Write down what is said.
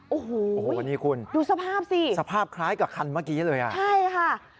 โอ้โหนี่คุณสภาพคล้ายกับคันเมื่อกี้เลยอ่ะดูสภาพสิ